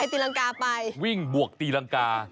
ตีรังกาไปวิ่งบวกตีรังกา